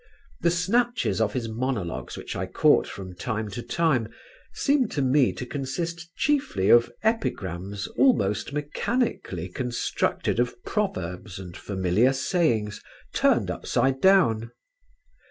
The snatches of his monologues which I caught from time to time seemed to me to consist chiefly of epigrams almost mechanically constructed of proverbs and familiar sayings turned upside down.